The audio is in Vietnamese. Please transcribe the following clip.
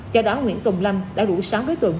do đó nguyễn công lâm đã rủ sáu đối tượng